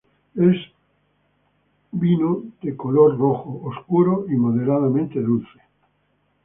Es vino es de color rojo oscuro y moderadamente dulce.